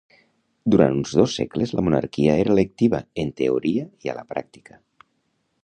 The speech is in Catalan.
Durant uns dos segles la monarquia era electiva en teoria i a la pràctica